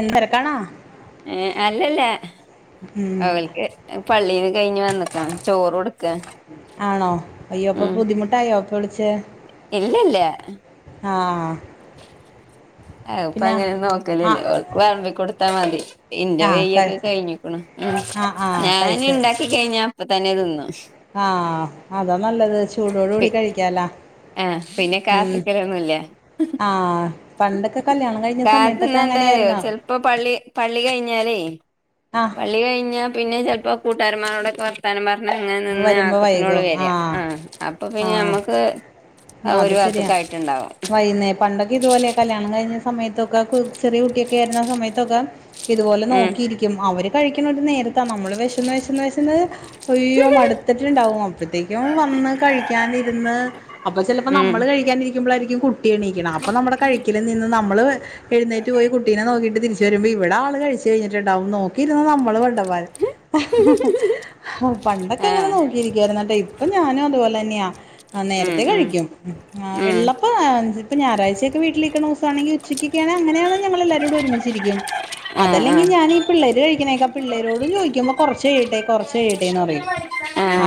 എന്ത ഇരക്കണാ ഏ അല്ല അവൾക്ക് പള്ളീൽ കഴിഞ്ഞ് വന്നക്കാം ചോറ് കൊടുക്ക ആണോ അയ്യോപ്പൊ ബുദ്ധിമുട്ടയ്യോ ഇപ്പൊ വിളിച്ചേ ഇല്ലല്ലേ ആഹ് ആഹ് ഇപ്പൊ അങ്ങനെ നോക്കലല്ലേ അവക്ക് വേമ്പ കൊടുത്താ മതി ഇന്റെ ആ വെയക്കെ ക- കഴിഞ്ഞിക്ക്ണ് ആ ഞൻ ഇണ്ടാക്ക കഴിഞ്ഞാ അപ്പ തന്നെ തിന്നും ആഹ് അതാ നല്ലത് ചൂടോട് പി കൂടി കഴിക്കാലാ ആഹ് പിന്നെ ഉം കാത്ത്ക്കലൊന്നുല്ല ആഹ് പണ്ടൊക്കെ കല്യാണം കഴിഞ്ഞ സമയ ത്തക്കെ അങ്ങനെയായിര്ന്നോ പ്പൊ പള്ളി പള്ളി കഴിഞ്ഞാലേ ആഹ് പള്ളി കഴിഞ്ഞാ പിന്നെ ചെലപ്പോ കൂട്ടാരന്മാരോടൊക്കെ ർത്താനം പറഞ്ഞ അങ്ങനെന്ന് വരുമ്പോ ആക്കത്തിനോള്ളു വൈകും വര ആ ആഹ് അപ്പൊ പിന്നെ ആ ഞമ്മക്ക് അത് ഒരു ശരിയാ ഭാഗത്ത്ക്കായിട്ടുണ്ടാവും വൈന്നേ പണ്ടൊക്കെ ഇതുപോലെ കല്യാണം കഴിഞ്ഞ സമയത്തൊക്ക ക് ചെറിയ കുട്ടിക്കെ ആയിര്ന്ന സമയത്തൊക്കെ ഇതുപോലെ ഉം നോക്കിയിരിക്കും അവര് കഴിക്ക്ണ നേരത്താ നമ്മള് വെശന്ന് വെശന്ന് വെശന്ന് മടുത്തിട്ടണ്ടകും അപ്പോത്തേക്കും വ കഴിക്കതിര്ന്ന് അപ്പ ചെലപ്പോ ഉം നമ്മള് കഴിക്കാതി ക്കുമ്പളായിരിക്കും കുട്ടി എണീക്ക്ണ അപ്പൊ നമ്മള് കഴിക്കല് നിന്ന് നമ്മള് എഴുന്നേറ്റ് പോയി കുട്ടിനെ നോക്കിട്ട് തിരി ചെരുമ്പോ ഇവിടെ ആൾ കഴിച്ച കഴിഞ്ഞിട്ടുണ്ടാവും നോക്കിരുന്ന നമ്മള് മണ്ട പ ആ [unintelligible] പണ്ട ഇരിക്കുന്ന കേട്ടോ ഇപ്പൊ ഞാനും അതുപോലെ തന്നെയാ ആഹ് ഉം നേരത്തെ ഉം കഴിക്കും ഉം എള്ളപ്പ അപ്പോ ഞായറാഴചയക്കെ വീട്ടേക്കുന്ന ദസ ആണെങ്കിൽ ഉച്ചക്ക്ക്കാണ് അങ്ങനെയണ ഞങ്ങള എല്ലരോും ഒരുമിച്ചരിക്കും ആ ആ അതല്ലെങ്കി ഞാൻീഈ പിള്ളേര് കഴിക്കനേക്കാ പ പിള്ളേരോട് ചോദിക്കുമ്പോ കുറച്ചു കഴട്ടേ കുറച്ച കഴിയട്ടെന്ന് പറയും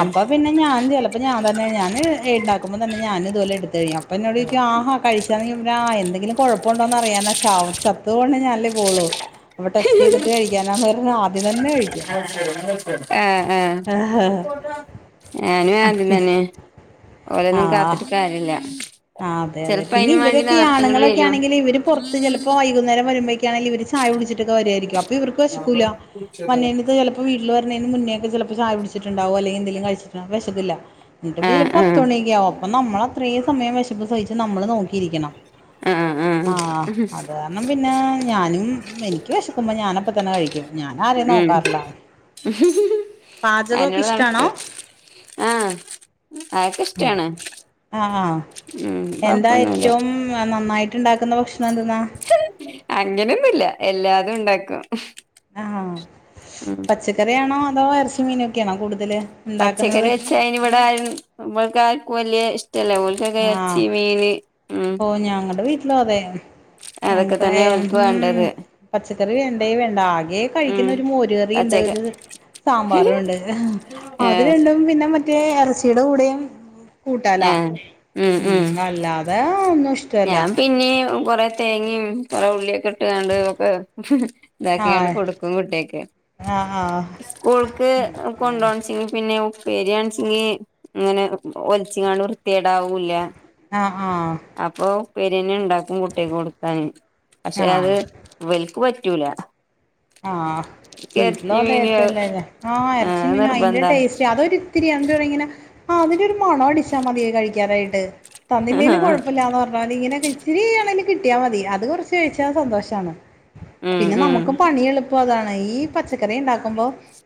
അപ്പൊ പിന്നെ ഞാൻ ചിലപ്പോ ഞാൻ തന്നെ ഞാന്ൻ ഉണ്ടാക്കുമ്പോ തന്നെ ഞാനൻ ഇതുപോലെ എടുത്ത കഴിയാം പിന്നെോടേക്കും ആഹ കഴിച്ചു [unintelligible] ആഹ് എന്തെങ്കിലുംഴപ്പമണ്ടോന്ന് അറിയാനാ ച ചത്ത പോണ് ഞല്ലേ പോളൂ അപ്പ ടെസ്റ്റ് ചെയ്തിട്ട് കഴിക്കാനാന്ന് പറഞ്ഞ ആദ്യം തന്നെ കഴിക്കും ആഹ് ആഹ് ഞാനും ആദ്യം ആഹ് തന്നെ ഓലൊന്നും കാത്തിട്ട് കാര്യല്ല ആ അതെ അതെ ചെലപ്പോ പിന്നെ അയിന് വേണ്ടി ഇവരൊക്കെ നേർത്തെ ഇങ്ങട് ആണുങ്ങളൊക്കെ വരും ആണെങ്കിൽ ഇവര് പുറത്ത് ചിലപ്പോ വൈകുന്നരം വരുമ്പോ ണെങ്കിൽ ഇവര് ചായ കുടിച്ചിട്ടൊക്കെ വരായിരിക്കും അപ്പൊ ഇവർക്ക് വിശക്കൂല്ല [unintelligible] ഇപ്പ വീട്ടിൽ പറഞ്ഞതിന് മുന്നേ യൊക്കെ ചിലപ്പോ ചായ കുടിച്ചിട്ടുണ്ടാവും അല്ലങ്കി എന്തെങ്കിലും കഴിച്ചിട്ടാവുംവിശപ്പില്ല എന്റെ ആ പെരേല് ആ പത്തു മണിയൊക്കെ ആകും അപ്പൊ നമ്മള് അത്രയുസമയം വിശപ്പ് സഹിച്ച് നമ്മള് നോക്കിയിരിക്കണം. ആ ആ ആഹ് അതെ ഞാൻ പിന്നെ ഞാനും എനിക്ക് വിശക്കുമ്പോൾ ഞാനപ്പതന്നെ കഴിക്കും. ഞാൻ ആരെയയും ഉം നോക്കാറില്ല. അതിനോട് നടക്ക് ആ അതൊക്കെ ഉം ഇഷ്ടാണ് ആഹ് അഹ് ഉം എന്താ കൊഴപ്പൊന്നുല്ല ഏറ്റവും നന്നായിട്ട് ഉണ്ടാക്കുന്ന ഭക്ഷണം എന്തെന്നാ? [unintelligible] അങ്ങനെയൊന്നു ഇല്ല എല്ലാതും ഉണ്ടാക്കും. ആഹ് ഉം പച്ചക്കറിയണോ അതോ ഇറച്ചി, മീനൊക്കെയാണോ കൂടുതല്? ഉണ്ടാക്കുന്നത് പച്ചക്കറി വെച്ചാ അനി ഇവിടെ ആരു നമ്മൾക്കാർക്കും വലിയ ഇഷ്ടമില്ല പോലും. ഇവർകെക്കെ ആഹ് ഇറച്ചി, മീന് ഉം ഓ ഞങ്ങളടെ വീട്ടിലും അതെ അതൊക്കെ ഞങ്ങൾക്കാ തന്നെ ഓൽക്ക് ഉം വേണ്ടത് പച്ചക്കറി വേണ്ട വേണ്ടാ ആകെ ഉം കഴിക്കുന്ന ഒരു മോരുകറിയുണ്ട് പച്ചക്ക സാമ്പാറും ഉണ്ട്. അത് ഏഹ് രണ്ടും പിന്നെ മറ്റേ ഇറച്ചിയുടെ കൂടെയും കൂട്ടാ ലോ? ആഹ് ഉം ഉം ഉംഅല്ലാതെ ഒന്നും ഇ ഞാൻ പിന്നെ കൊറെ തേങ്ങയും കൊറെ ഉള്ളിയക്കെ ഇട്ടണ്ട് ഒക്കെ [unintelligible] ഇതാക്കിണ്ട് ആഹ് കൊടുക്കും കുട്ടികൾക്ക് ആഹ് ആഹ് ഓൾക്ക് കൊണ്ടോണച്ചെങ്കി പിന്നെ ഉപ്പേരിയാണച്ചെങ്കി അങ്ങനെ ഒലിച്ച് ങ്ങോണ്ട് വൃത്തിയേടാവുല്ല. ആഹ് ആഹ് അപ്പൊ ഉപ്പേരി തന്നെ ഉണ്ടാക്കും കുട്ടികൾക്ക് കൊടുക്കാന് പക്ഷെ ആഹ് അത് ഇവലക്ക് പറ്റൂല. ആഹ് ഇറച്ചി മീന് ആഹ് ഇറച്ചിമീനു അതിന്റെ നിർബന്ധ ടേസ്റ്റ് അതൊരിത്തിരി എന്ത് പറയു ഇങ്ങനെ ആഹ് അതിന്റെ ഒരു മണം അടിച്ചാൽ മതിയേ കഴിക്കാനായിട്ട്. തന്നില്ലേലും കുഴപ്പമില്ലാന്ന് പറഞ്ഞാമതി ഇങ്ങനെ ഇച്ചിരിയാണെങ്കിൽ കിട്ടിയാ മതി അത് കുറച്ച് കഴിച്ചാൽ സന്തോഷമാണ്. ഉം പിന്നെ ഉം നമ്മുക്ക് പണി എളുപ്പം അതാണ് ഈ പച്ചക്കറി ഉണ്ടാക്കുമ്പോ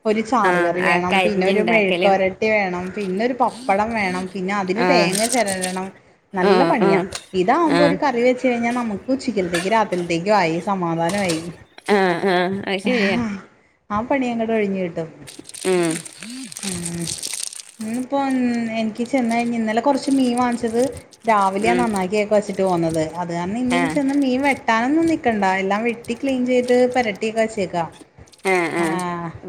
ഒരു ചാറു ആഹ് കറി ആ വേണം പിന്നെ ഒരു കരിഞ്ഞുണ്ടാക്കലും മെഴുക്കുപുരട്ടി വേണം പിന്നെ ഒരു പപ്പടം വേണം പിന്നെ അതിന് ആഹ് തേങ്ങ ചെരകണം നല്ല ആഹ് പണിയാ ആഹ് ഇതാവുമ്പോ ആഹ് ഒരു കറി വെച്ച് കഴിഞ്ഞാൽ നമ്മുക്ക് ഉച്ചിക്കലത്തേക്കും രാത്രിലത്തേക്കും ആയി സമാധാനമായി. ആഹ് ആഹ് അത് ശരിയാ [unintelligible] ആഹ് പണി അങ്ങോട്ടു കഴിഞ്ഞു കിട്ടും. ഉം ഉം ഇന്നിപ്പോ എനിക്ക് ചെന്ന് കഴിഞ്ഞ് ഇന്നലെ കൊറച്ച് മീൻ വാങ്ങിച്ചത് രാവിലെയാ ഉം നന്നാക്കിയെക്കെ വെച്ചിട്ട് പോന്നത് അത് കാരണം ഇന്ന് ഇനി ആഹ് ചെന്ന് മീൻ വെ വെട്ടാനൊന്നും നിക്കക്കണ്ട എല്ലാം വെട്ടിക്ലീൻ ചെയ്ത് പെരട്ടിയക്കെ വച്ചേക്കാ. ആഹ് ആഹ്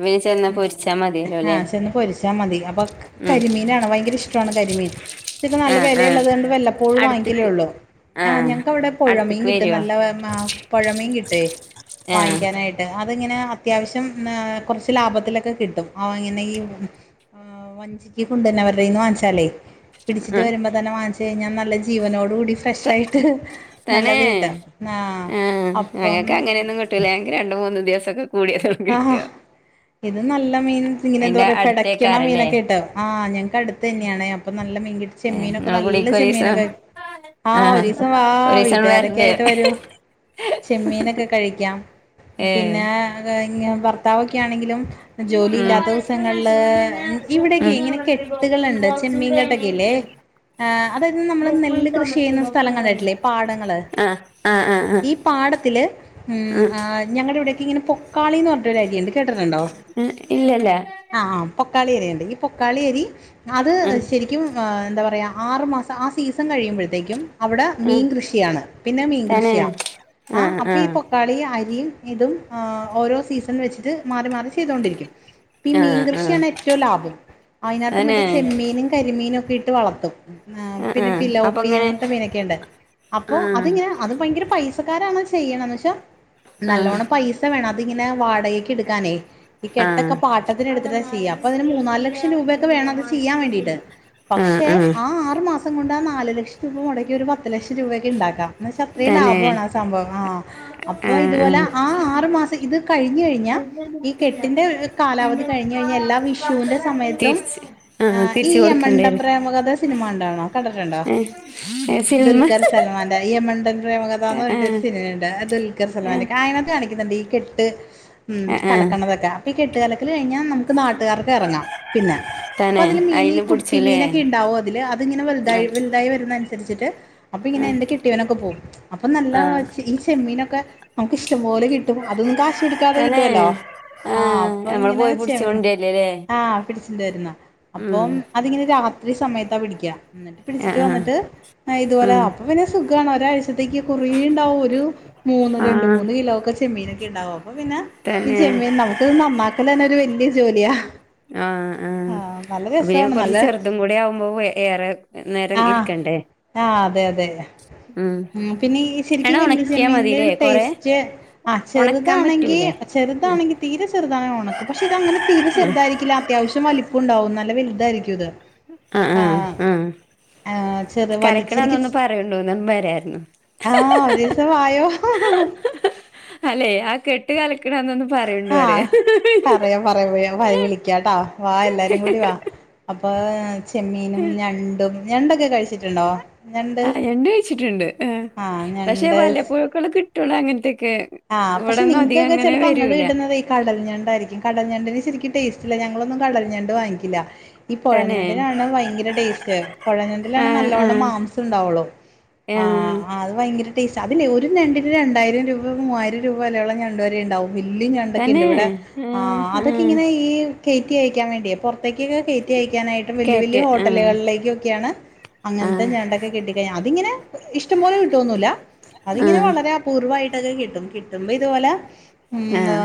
പിന്നെ ചെന്നാ പൊരിച്ചാ മതിയല്ലോ അല്ലേ ആഹ് ചെന്ന് പൊരിച്ചാ മതി അപ്പൊ ഉം കരിമീനാണ് ഭയങ്കര ഇഷ്ടമാണ് കരിമീൻ. ച്ചക്ക് നല്ല ആഹ് ആഹ് വിലയുള്ളതുകൊണ്ട് വല്ലപ്പോഴും വാങ്ങിക്കലേ അടുത്ത്ക്ക് ഉള്ളൂ. ആ ആഹ് ഞങ്ങക്ക് അവിടെ പുഴമീൻ അടുത്ത്ക്ക് കിട്ടും. വരുവോ നല്ല പറഞ്ഞ പുഴ മിൻ കിട്ടേ വാങ്ങ ആഹ് ട്ടേ അത് ഇങ്ങനേ അത്യാവശ്യം കുറച്ച് ലാഭത്തിലൊക്കെ കിട്ടും. [unintelligible] ആ വഞ്ചിക്ക് കൊണ്ട് തന്നെ അവരുടെന്ന് വാങ്ങിച്ചാലേ പിടിച്ചിട്ട് ആഹ് വരുമ്പോ തന്നെ വാങ്ങിച്ച് കഴിഞ്ഞാ നല്ല ജീവനോട് കൂടി ഫ്രഷ് ആയിട്ട് തന്നെ നല്ലത് കിട്ടും. ആ അപ്പം ലേ രണ്ടുമൂന്ന് ദിവസക്കെ കൂടി ആഹ് ഇത് നല്ല മീൻ ഇങ്ങനെ എന്താ അയിന്റെ പറയാ പിടക്കണ അടുത്തേക്കാരല്ലേ മീനൊക്കെ കിട്ടും ആഹ് ഞങ്ങക്കടു തന്നെയാണ് അപ്പൊ നല്ല മീൻ കിട്ടും ഏ ചെമ്മീനൊക്കെ ഇങ്ങളെ നല്ല കുടീക്ക് ഒരീസം ചെമ്മീനൊക്കെ ആ ഒരു ദിവസം വാ ഒരീസം വീട്ടുകാരൊക്കെ വരണ്ട് ആയിട്ട് വരു. ചെമ്മീനൊക്കെ കഴിക്കാം. ഏ പിന്നെ അ ഭർത്താവൊക്കെയാണെങ്കിലും ഉം ജോലി ഇല്ലാത്ത ദിവസങ്ങളില് ഇവിടോക്കെ ഇങ്ങനെ കെട്ടുകളുണ്ട് ചെമ്മീൻകെട്ടൊക്കെല്ലേ ആ അതായത് നമ്മള് നെല്ല് കൃഷി ചെയ്യുന്ന സ്ഥലം കണ്ടിട്ടില്ലേ പാടങ്ങള് ആ ആ ആ ആ ഈ പാടത്തില് ഉ ആ ഞങ്ങള ഇവിടേക്കെ ഇങ്ങനെ പോകാളിന്ന് പറഞ്ഞട്ട് ഒരു അരിയുണ്ട് കേട്ടിട്ടുണ്ടോ ഉ ഇല്ലല്ല ആ ആ പൊക്കാളി അരിയുണ്ട് ഈ പൊക്കാളി അരി അത് ആ എന്താ പറയാ ആറു മാസം ആ സീസൺ കഴിയുമ്പോഴത്തേക്കും അവിടെ ആ മീൻ കൃഷിയാണ് പിന്നെ തന്നെ മീൻകൃഷിയാ ആ അപ്പൊ ഇപ്പൊ കളിയും അരിയും ഇതും ഓരോ സീസൺ വെച്ചിട്ട് മാറി മാറി ചെയ്തുകൊണ്ടിരിക്കും ഈ ആ ആ മീൻകൃഷിയാണ് ഏറ്റവും ലാഭം അതിനകത്ത് അനെ മറ്റേ ചെമ്മീനും കരിമീനും ഒക്കെ ഇട്ട് വളർത്തും ആ ആ പിന്നെ അപ്പൊ പിലോപ്പി ഇങ്ങനെ അങ്ങനത്തെ മീനൊക്കെുണ്ട് അപ്പോ ആ അതിങ്ങനെ അത് ഭയങ്കര പൈസക്കാരാണ് ചെയ്യണന്ന് വെച്ചാ ആ ആ നല്ലോണം പൈസ വേണം അതിങ്ങനെ വാടകൊക്കെ എടുക്കാനേ ഈ ആ കെട്ടൊക്കെ പാട്ടത്തിന് എടുത്തിട്ടാ ചെയ്യുക അപ്പൊ അതിന് മൂന്നാല് ലക്ഷം രൂപൊക്കെ വേണം അത് ചെയ്യൻ വേണ്ടീട്ട് പക്ഷെ ആ ആറു മാസം കൊണ്ട് ആ നാല് ലക്ഷം രൂപ മുടക്കി ഒരു പത്ത് ലക്ഷം രൂപക്ക് ഉണ്ടാക്കാം എന്നത്രയും തന്നെ ലാഭമാണ് ആ സംഭവം ആഹ അപ്പൊ ആ ഇതുപോലെ ആ ആറു മാസം ഇത് കഴിഞ്ഞു കഴിഞ്ഞ ഈ കെട്ടിന്റെ കാലാവധി കഴിഞ്ഞു കഴിഞ്ഞാൽ എല്ലാ വിഷുവിൻന്റെ സമയത്തും തിരിച്ച് ആ ഈ തിരിച്ച് കൊടുക്കേണ്ടി യമണ്ട വരും പ്രേമകഥ സിനിമ ഉണ്ടണോ കടിട്ടുണ്ടോ ഏ സിൽമ ദുൽഖർ സൽമാൻ യമണ്ടൻ പ്രേമകഥ എന്ന് ആ ആ പറഞ്ഞട്ട് ഒരു സിനിമയണ്ട് ദുൽഖർ സൽമാന്റെ ആ അതിനകത്ത് കാണിക്കുന്നുണ്ട് ഈ കെട്ട് ഉ ആ കലക്കണതൊക്കെ അ കെട്ട കല കഴിഞ്ഞാൽ നമുക്ക് നാട്ടുകാർക്ക് ഇറങ്ങാം പിന്നെ അപ്പൊ തന്നെ അതില് മീ അയിന് കുട്ടി പിടിച്ചുല്ലേ മീനൊക്കെ ഉണ്ടാവും അല് അത്ങ്ങനെ വലുത ആ വലുതായി വരുന്ന രിച്ചിട്ട് അപ്പൊ ഇങ്ങനെ ആ എന്റെ കെട്ടിയവനൊക്കെ പോകും അപ്പൊ നല്ല ആ ഈ ചെമ്മീനൊക്കെ നമുക്ക്‌ ഇഷ്ടം പോലെ കിട്ടും ന്നും കാശു കൊടുക്കാതെ തന്നെ കിട്ടുല്ലോ ആ അപ്പൊ നമ്മള് ഇനെ പോയി വെച്ച പിടിച്ചോണ്ടിരല്ലേല്ലേ ആ പിടിച്ചിണ്ട വരുന്ന ഉം അപ്പം അതിങ്ങനെ രാത്രി സമയത്താ പിടിക്കാ എന്നിട്ട് ആ പിടിച്ചിട്ട് ആ വന്നിട്ട് ഇതുപോലെ ഉം അപ്പൊ പിന്നെ സുഖമാണ് ഒരാഴ്ച അത്തേക്ക് കുറേ ഉണ്ടാവും ഒരു മൂന്ന് ആ രണ്ട് മൂന്ന് കിലോ ഒക്കെ ചെമ്മീനൊക്കെ ഉണ്ടാകും അപ്പൊ പിന്നെ ഈ തന്നെ ചെമ്മീ നമുക്കത് നന്നാക്കല തന്നെ ഒരു വലിയ ജോലിയാ ആ ആഹ് നല്ല പിന്ന രസാണ് കൊറച്ച് നല്ല ചെറുതും കൂടി ആവുമ്പോ ഏറെ നേരം ഇരിക്കണ്ടേ ആ അതെ അതെ ഉം ഉ പിന്നെ ശരിക്കും എടാ വലിയ ഉണക്കിയാ ചെമ്മീനില മതില്ലേ കൊറെ ടേസ്റ്റ് ആഹ് ഉണക്കാൻ ചെറുതാണെങ്കി പറ്റൂലേ ചെറുതാണെങ്കിൽ തീരെ ചെറുതാണ് ഉണക്കും പക്ഷെ ഇതങ്ങനെ തീരെ ചെറുതായിരിക്കില്ല അത്യാവശ്യം വലിപ്പുണ്ടാവും നല്ല വലുതായിരിക്കും ഇത് ആ ആ ആഹ് ഉം ആഹ് ചെറു വലു ശരിക്കും കലക്കണന്നൊന്ന് പറയണ്ടോന്നന്ന് വരായിരുന്നു ആ ഒരു ദിവസം വായോ അല്ലെ ആ കെട്ട് കലിക്കണന്ന ഒന്ന് പറയണ്ട പറ ആഹ് പറയാം പറയാം വ വിളിക്കാട്ടോ വാ എല്ലാരും കൂടി വാ അപ്പൊ ചെമ്മീനും ഞണ്ടും ഞണ്ടൊക്കെ കഴിച്ചിട്ടുണ്ടോ ആ ഞണ്ട് കഴിച്ചിട്ടുണ്ട് ആഹ് പക്ഷേ ഞണ്ട് വല്ലപ്പഴക്കള കിട്ടൂള്ള അങ്ങനത്തൊക്കെ ആഹ് പക്ഷെ ഇവിടൊന്നും അധികം നിങ്ങക്കൊക്കെ അങ്ങനെ ചെപ്പോ അങ്ങ് വരൂല കിട്ടുന്നത കടൽ ഞണ്ടായിരിക്കും കടൽഞണ്ടിന് ശെരിക്കും ടേസ്റ്റ് ഇല്ല ഞങ്ങളൊന്നും കടല ഞണ്ട് വാങ്ങിക്കില്ല ഈ തന്നെ പുഴഞണ്ടിനാണ് ഭയങ്കര ടേസ്റ്റ് ആ പുഴഞണ്ടിലാണ് ആ നല്ലോണ്ണം മാംസം ഉണ്ടാവുള്ളൂ ആ ആഹ ആതു ഭയങ്കര ടേസ്റ്റ് അതില്ലേ ഒരു ഞണ്ടിന് രണ്ടായിരം രൂപ മൂവായിരം രൂപ വിലയുള്ള ഞണ്ട് വരെ ഉണ്ടാവും വല്യ ഞണ്ടൊക്കെ ഉണ്ട് തന്നെ ഇവിടെ ആ അതൊക്കെ ആ ഇങ്ങനെ ഈ കെയറ്റി അയക്കാൻ വേണ്ടിയ അത്തക്കൊക്കെ കയറ്റി അയക്കാനായിട്ട് വലിയ വലിയ കാറ്റ് ആഹ് ഹോട്ടലുകളിലേക്കൊക്കെയാണ് അങ്ങനത്തെ ആഹ് ഞണ്ടൊക്കെ കിട്ട കഴിഞ്ഞാൽ അതിങ്ങനെ ഇഷ്ടംപോലെ കിട്ടോന്നുമല്ല അതിങ്ങനെ ആഹ് വളരെ അപൂർവമായിട്ടൊക്കെ കിട്ടും കിട്ടുമ്പ ഇതുപോലെ ആഹ്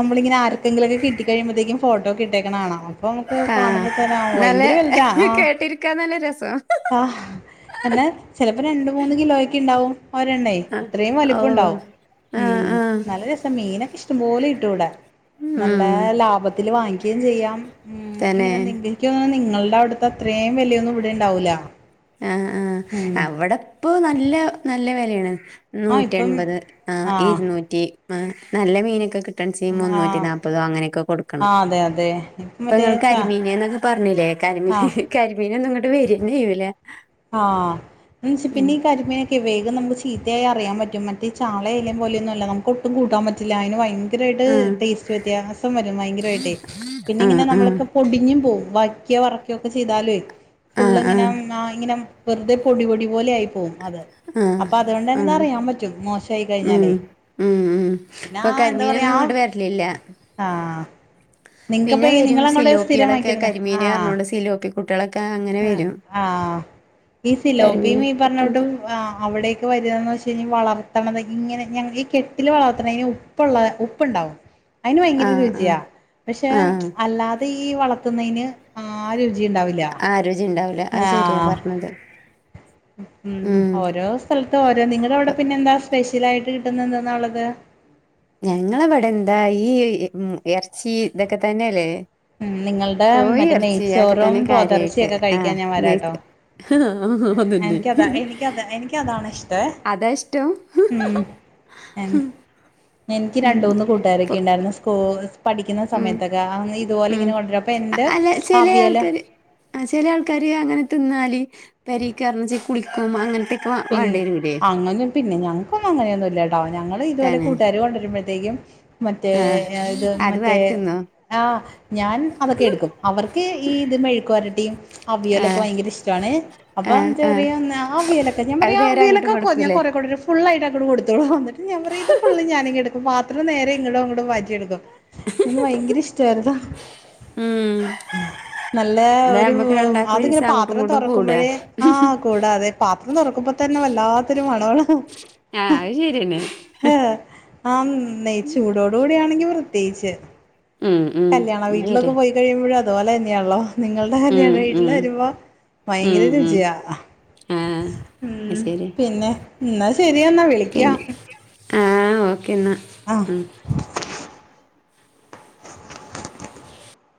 നമ്മളിങ്ങന ആക്കെങ്കിലൊക്കെ കിട്ടിക്കഴുമ്പഴത്തക്കും ഫോട്ടോ കിട്ടേക്കണോ അപ്പൊ നമുക്ക് ആഹ് കാണുമ്പോ തന്നാ നല്ല ഭയങ്കര വലതാ ആഹ് കേട്ടിരിക്കാൻ നല്ല രസം ആഹ് എന്നാൽ ചിലപ്പോൾ രണ്ട് മൂന്ന് കിലോ ഒക്കെ ഉണ്ടാവും ഒരെണ്ണ അത്രയും ഓ വലിപ്പം ഉണ്ടാവും ആഹ് ഉം ആഹ് നല്ല രസം മീനൊക്കെ ഇഷ്ടംപോലെ കിട്ടൂവിടെ നല്ല ഉം നല്ല ലാഭത്തിൽ വാങ്ങിക്കുകയും ചെയ്യാം ഉം തന്നെ ഇങ്ങനെ എന്തെങ്കും എനിക്കുന്ന നിങ്ങളുടെ അവിടുത്തെ അത്രയും വിലയൊന്നും ഇവിടെ ഉണ്ടാവില്ല ആഹ ആഹ അവിടെപ്പൊ നല്ല നല്ല വിലയാണ് ആഹ് നൂറ്റി ഇപ്പം എൺപത് ആ ആഹ് ഇരുന്നൂറ്റി ആ നല്ല മീനൊക്കെ കിട്ട മുന്നൂറ്റി ആഹ് നാല്പത് അങ്ങനൊക്കെ ആ കൊടുക്കണം അതെ അതെ ഇപ്പ മറ്റേ ഇപോ ചാ കരിമീ പറഞ്ഞില്ലേ ആ കരിമീൻ കരിമീന ഒന്നും ഇങ്ങട്ട് വരിയന്നെ ചെയ്യൂലേ ആഹ് ശ പിന്ന കരിമീ വേഗം നമുക്ക് ചീത്തയായി അറിയൻ പറ്റുംഈ ചാള അയേല പോലൊന്നുംല്ല നമുക്കു ഒട്ടുംകൂട്ടാൻ പറ്റില്ല അന് ആഹ് ടേസ്റ്റ് വ്യത്യാസം വരും ഭയങ്കരായിട്ട ആഹ് പിന്നെ നമ്മ ആഹ് പൊടിഞ്ഞും പോവും വക്കിയോ വറക്കയോ ഒക്കെ ചെയ്താല ഫുള് ആഹ് ഇങ്ങനെ ആഹ് ഇങ്ങനെ വെറുതെ പൊടിപൊടി പോലെ ആയി പോകും അത് ആഹ് അപ്പൊ അതുകൊണ്ട തന്നെ ആഹ് അറിയൻ പറ്റും മോശായി ഉം കഴിഞ്ഞാലേ ഉം ഉം ന്താ ഇപ്പൊ എന്താ പറയാ കരിമീനൊന്നും ഇങ്ങോട്ട് വരലില്ല ആഹ പിന്നെ വരും സിലോപ്പികളൊക്കെ കരിമീൻ ആ പറഞ്ഞുകൊണ്ട് സിലോപ്പി കുട്ടികളൊക്കെ അങ്ങനെ വരും ആഹ ഈ സിലോപിയും കരിമീന് ഈ കിട്ടണത് പറഞ്ഞോട്ടും അവിടേക്ക് വരകതന്ന് വെച്ച് കഴിഞ്ഞാൽ വളർത്തണ ഇങ്ങനെ ഞങ്ങൾ ഈ കെട്ടിൽ വളർത്തണതിന് ഉപ്പുള്ള ഉപ്പുണ്ടാവും അതിന് ആ ഭയങ്കര ആ രുചിയാ പക്ഷെ ആ അല്ലാതെ ത്തെ ഈ വളർത്തുന്നതിന് ആ രുചി ഉണ്ടാവില്ല ആ രുചിഉണ്ടാവില്ല ആഹ് ഉം ഓരോ സ്ഥലത്ത ഓരോ നിങ്ങള അവിടെ ഇപ്പൊ പിന്നെ എന്താ സ്പെഷ്യൽ ആയിട്ട് കിട്ടുന്നുന്ന ഉള്ളത് ഞങ്ങളവിടെ എന്താ ഈ ഇറച്ചി ഇതൊക്കെ തന്നെയല്ലേ ഉ നിങ്ങളുടെ കോഴി മറ്റേ ഇറച്ചി അതൊക്കെ നെയ്ച്ചോറും തന്നെ കാര്യായിട്ട് പോതറച്ചിയൊക്കെ ആ കഴിക്കാൻ ഞാൻ നെയ്ച്ച വരാട്ടോ അതന്നെ എനിക്കതാ എനിക്കതാ എനിക്കതാണ ഇഷ്ടേ അതാ ഇഷ്ടം ഉ എനിക്ക് ഉം രണ്ട മൂന്ന് കൂട്ടുകാരൊക്കെ ഇപ്പൊ ഉണ്ടായിരുന്നു സ്കൂ പഠിക്കുന്ന ഉം സമയത്തൊക്കെ ഇതുപോലെ ഉം ഇങ്ങനെ കൊണ്ടരാ അപ്പൊ എന്റെ അല്ല ചില അവിയല ആൾക്കാര് ആ ചില ആൾക്കാര് അങ്ങനെ തിന്നാല് പര കാരണം വെച്ചൽ കുളിക്കും അങ്ങനത്തെ പിന്നെ അങ്ങനും പിന്നെ ഞങ്ങക്കൊന്നും അങ്ങനെയൊന്നും ഇല്ലാണ്ടാവും ഞങ്ങളൾ ഇതുപോലെ തന്നെ കൂട്ടാര് കൊണ്ടരുമ്പോ തെക്കും മറ്റേ ആഹ് ഇത് അത് മറ്റേ വാരി തിന്നോ ആ ഞാൻ അതൊക്കെ എടുക്കും അവർക്ക് ഈ ഇത് മെഴുക്കുരട്ടും അവിയലൊക്കെ ആഹ് ഭയങ്കര ഇഷ്ടാണ് അപ്പൊ ആഹ് എന്താ ആഹ് പറയാ അവിയലക്കെ അത് നേരെ വിലക്ക അങ്ങോട്ടും കു കൊടുക്കൂലേ [inaudible] ഫുളായിട്ട് അങ്ങിട് കൊടുത്തോളുഎന്നിട് ഞാൻ പറയും ഇത് ഫുള്ള് ഞാൻ ഇങ്ങേട്ട് എടുക്കും പാത്രം നേരെ ഇങ്ങോട് അങ്ങോട്ടും മാറി എടുക്കും ഇത് ഭയങ്കര ഇഷ്ടമായിരുന്നു ഉം നല്ല എന്നാ ഒരു നമ്മക്ക് രണ്ടാക്കും അതിങ്ങനെ ഒരീസം അങ്ങോട്ടും പാത്രം ഇങ്ങോട്ടും കൂടാ തുറക്കുമ്പോഴേ ആഹ് കൂടാതെ പാ ത്രം തുറക്കുമ്പ തന്നെ വല്ലാത്തൊരു മണവള. ആഹ് അത് ശരിയന്നെ ആഹ് ആഹ് നെയ്ച്ചൂടോട് കൂടെ ആണെങ്കി പ്രത്യേകിച്ച്. ഉം ഉം കല്യാണ അത് വീട്ടിലൊക്കെ ശരിയാ പോയി കഴിയുമ്പോഴും അതുപോലെ തന്നെയാള്ളോ. നിങ്ങളുടെ കല്യാണ ഉം വീട്ടില് ഉം വരുമ്പോ ഭയങ്കര ഉം ഉം രുചിയാ. ആഹ് അത് ഉം ശരിയാ പിന്നെ എന്നാ ശരിയെന്നാ വിളിക്കാം. ആഹ് ഓക്കേ എന്നാ. ആ